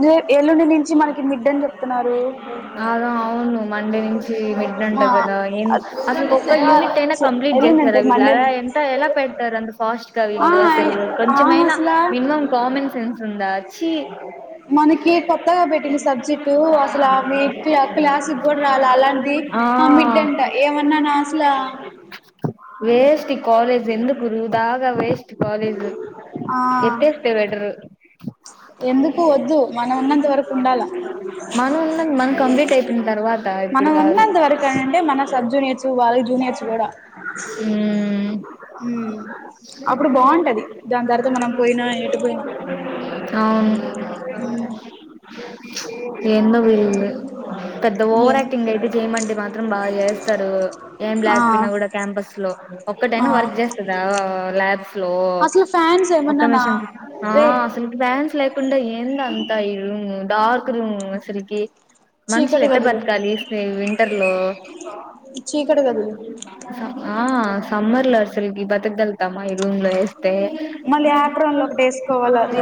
దుఏ ఎల్లుండి నుంచి మనకి మిడ్ అని చెప్తున్నారు మండే నుంచి మిడ్ అంట కదా ఏం అసలు ఒక్క యూనిట్ అయినా కంప్లీట్ చేస్తారా వీళ్ళు అలా ఏన్ త ఎలా పెడతారు అంత ఫాస్ట్ గా వీళ్ళు అసలు కొంచెమైనా మినిమం కామన్ సెన్స్ చీ మనకి కొత్తగా పెట్టిన సబ్జెక్టు అసలు మీ క్లా క్లాసుకు కూడా రాల అలాంటి ఆ మిడ్ అంట ఏమన్నా నా అసల వేస్టు కాలేజ్ ఎందుకు వృధా గా వేస్ కాలేజులు ఎత్తేస్తే బెటరు ఎందుకు వద్దు మను ఉన్నది మనం కంప్లీట్ అయిపోయిన తరువాత్ మనం ఉన్నంతవరకు అనంటే మన సబ్ జూనియర్స్ వాళ్ళ జూనియర్స్ కూడా [inaudible] ఔ హూమ్ ఏందో వీల్ [inaudible] పెద్ద ఓవర్ యాక్టింగ్ అయితే చేయమంటే మాత్రం బాగా చేస్తారు ఏం లేకపోయినా కూడా క్యాంపస్ లో ఒక్కటైైన వర్క్ చేస్తందా ల్యాబ్స్ లో ఒక్క మిషన్ అసలుకి ఫ్యాన్స్లకుంట ఏంది అంతా ఇ రూమ్ డార్క్ రూమ్ అసలికి మనుషులు ఎట్ట బతకాలి వింటర్ లో ఆ సమ్మర్ల అసలకి బతగళూతమా ఇ రూమ్ లో ఎ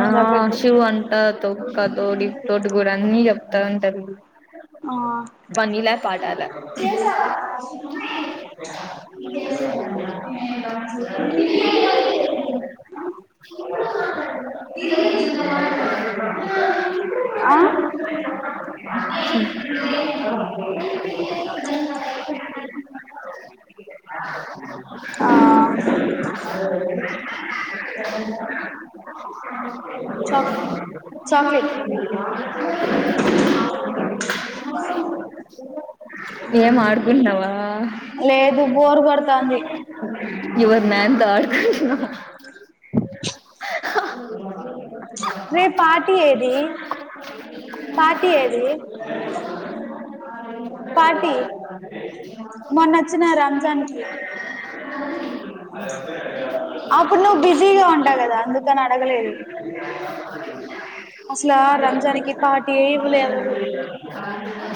ఆ ఆ శివం తొక్క తోటి తోటకూర అన్ని చెప్తా ఉంటారు ఆ పనిలేని పాటాలే ఆ చ ఏయం ఆడుకుంటున్నవా యూవత్ నంత తో ఆడుకున్నావ రేప అ అ అదే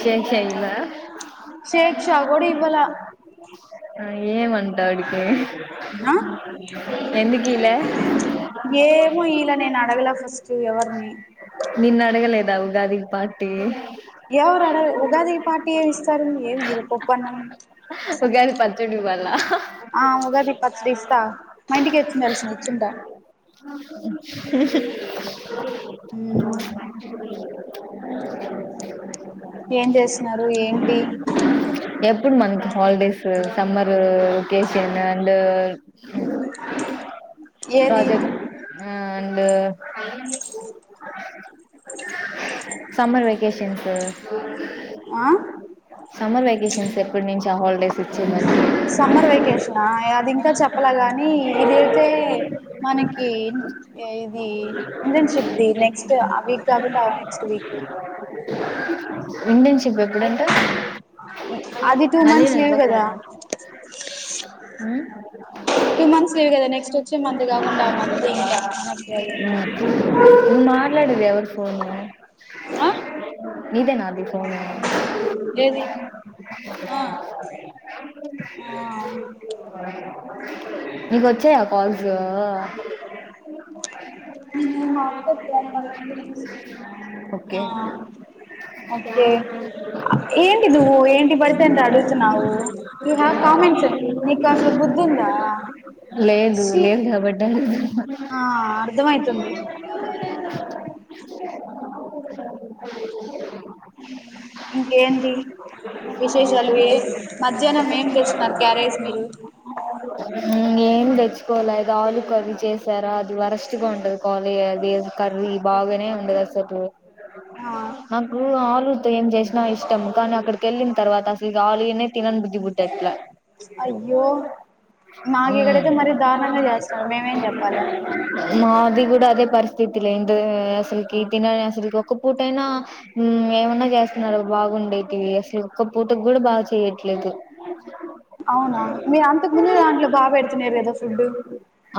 చేయి చేయిందా సేక్షా కూడా ఇవ్వళ ఆ ఏం అంటా అడికి ఎందుకీలే ఎవరిని నిన్న అడగలేదా ఉగాది పార్టీ ఉగాది పచ్చడి ఇవ్వాలా ఎప్ ఇప్పుడు మనకి holidays summer vacation and project and summer vacations ఆ సమ్మర్ వెేకేషన్స్ ఎప్పడు నుంచి హాలిడేస్ ఇచ్చే మరి సమ్మర్ వెకేషనా అది ఇంకా చెప్పలే గాని ఇదియితే మనకి ఏది ఇంటేర్న్షిప్ ది నెక్స్ట్ ఆ వీక్ కపోతే ఆ నెక్స్ట్ వీక్ ఇంటన్షిప్ ఎప్పుడంట మళ్ళీ రెండో [unintelligible] హ్మ్ టూ మంత్స్ లీవ్ కదా నెక్స్ట్ వచ్చి మంత్ కాకుండా మంత్ ఇంకా అట్ది నువ్వు మాట్లాడేది ఎవరి ఫోను నదేనాది ఫోను ఏది ఆ [unintelligible] నీకు వచ్చాయా కాల్స్ ఓకే [unintelligible] లేదు లేదు కాబట్టే ఆ అర్థమైతుంది అ [unintelligible] ఏం తెచ్చుకోలే ఇగ ఆలు కర్రీ చేశారా అది వరస్ ఉండదు కాళి అది కర్రీ బాగానే ఉండదు అసలు నాకు ఆలుతో ఏం చేసినా ఇష్టం కానీ అక్కడికి వెళ్ళిన తర్వాత అసలు ఆలూనే తినను బుద్ధి బుట్టట్లే అయ్యో ఉమ్ మాది కూడా అదే పరిస్థితిలే అసలుకి తినని అసలుకి ఒక్క పూట అయినా ఏమన్నా చేస్తున్నారు బాగుండేటివి అసలు ఒక్క పూటకు కూడా బాగా చేయట్లేదు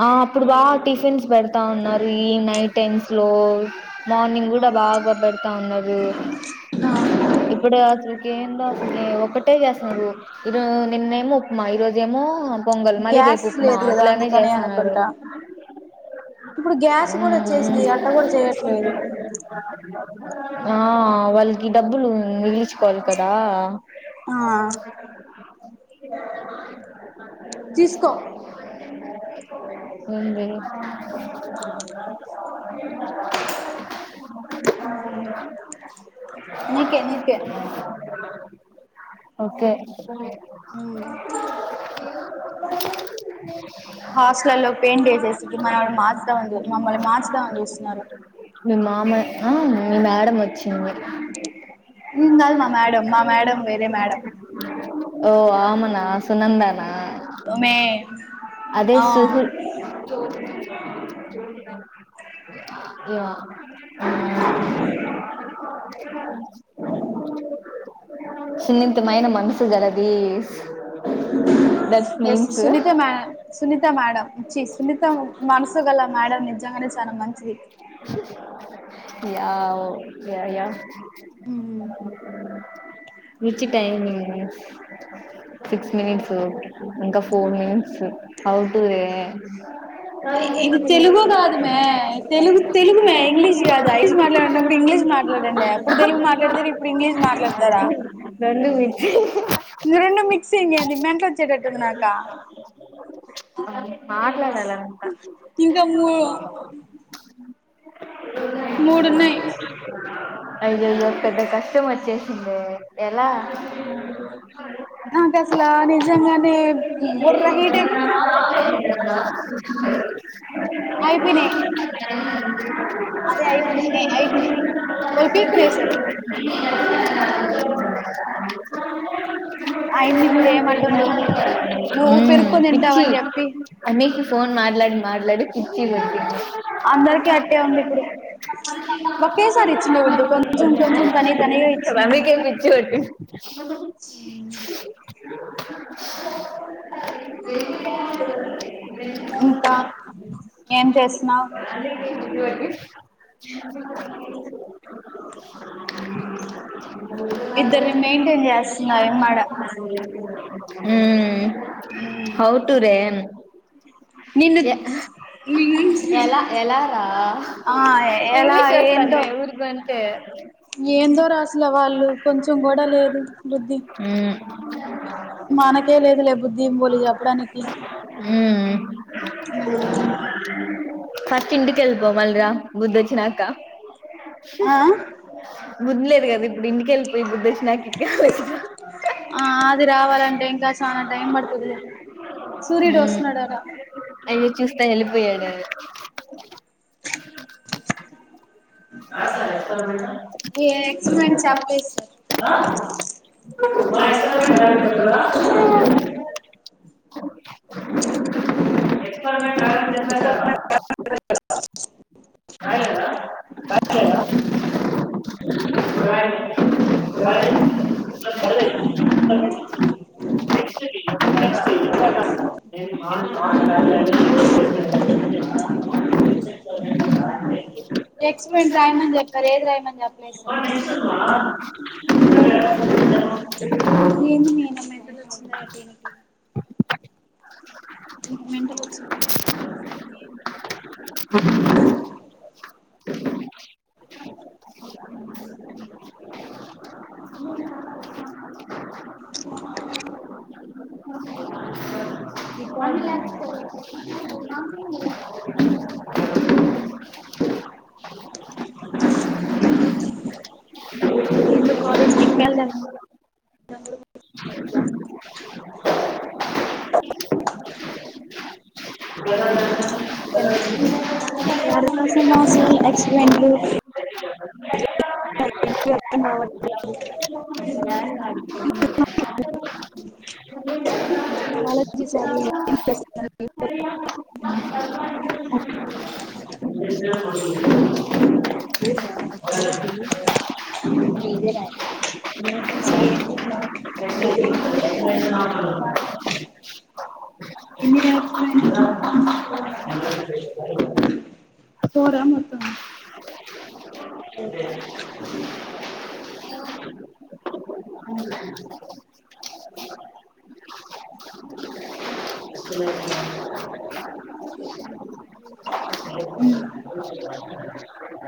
ఆ అప్పుడు బా టిఫిన్స్ పెడతా ఉన్నారు ఈ నైట్ టెన్స్ లో మార్నింగ్ కూడా బాగా పెడతా ఉన్నారు ఇప్పుడు అసలుకి ఏందో అసలుకి ఒకటి ట్టే చేస్తున్నారు ఈ నిన్నేమో ఉప్పుమా ఈ రోజు ఏమో పొంగల్ మళ్లీ రేపు ఉప్మా అట్లానే చేస్తున్నారు ఊ ఆ వాళ్ళకి డబ్బులు మిగిలిచ్చుకోవాలి కదా [unintelligible] ఉంది [inaudible] అ నీకే నీకే ఓకే ఉమ్ హాస్టల్లో పెయింట్ వేసేసి మనల్ని మారుచుదామ మమ్మల్ని మార్చుదామని చూస్తున్నారు మేడం వచ్చి ఆ ఓ ఆమనా సునందనా అదే సుహూ యా ఆ సున్నితమైన మనసు గలది ఎస్ సునీత మా సునీత మేడం చి సునీత మొత్తం మనసు గల మేడం నిజంగానే చానా మంచిది yeah okay I am Ruchi time six minutes ఇంకా four minutes how to way ఇది తెలుగు కాదు మే తెలుగు తెలుగు మే ఇంగ్లీష్ కాదు ఐసు మాట్లాడినప్పుడు ఇంగ్లీష్ ఇంగ్లీష్ మాట్లాడండి అప్పుడు తెలుగు మాట్లాడతారు ఇప్పుడు ఇంగ్లీష్ మాట్లాడతారా రెండు మిక్సింగ్ ఏంది మెంటల్ వచ్చేటట్టు ఉంది నాకా మాట్లా ఇంకా మూ అయ్యయ్యో పెద్ద కష్ ఇష్ట వచ్చేసిందే ఎలా ్ర సార్ అ ఇచ్చ అ మాట్లాడి మాట్లాడి ఇచ్చి గటి మమకి పిచ్చిటి అదే ఇ అాల వి హ అఔటూ రే ఎలా ఎలాారా ఇంగ్లీష్ వస్త పన్ే ఊర్గ ఏందో రాసలు వాళ్ళు కొంచెం గొడ లేదు బుద్ధి మనకే లేదు లే బుద్ధింబలు చెప్పడానికి ఫస్ట్ ఇంటికి వెళ్ళిపో మళ్రా బుద్ధచ్చినాక బుద్ధ లేదు కదా ఇప్పుడు ఇంటికెళ్ళిపోయి బుధచ్చ నాకు ఇ కాాల ఇక ఆ అది రావాలంటే ఇంకా చాల టైం పడుతుంది అయ్య చూస్తా వెళ్ళిపోయాడు ఏ ఎక్స్పీన్ చెప్పలేదుార్ మా ఎక్సా కాల కతులా ఎ టవె చేసన్నాద అ స లే ఎ నెక్స్ట్ ఎంత ఎ మార్చ్ ఆడు ఇ రా నెక్స్ట్ ఫంట్ రైమన్ చెప్పారు ఏది రైమన్ చెప్పలేస్తారు ఏమి నేనమాగ వస్తుందాయా దీనికి మెంటల్ వచ్చిన ఏం చేస ఏం నకం ఇ ఇందు కాలేజ్ ద మళ్ద కడకాస మోసల్ ఎక్స్టెంటవ్ మా అ [unintelligible] హలో కదా మొత్తం అ [inaudible] ఉ